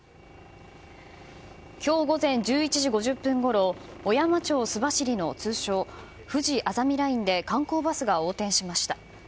今日午前１１時１０分ごろ小山町須走の通称ふじあざみラインで観光バスが横転しました。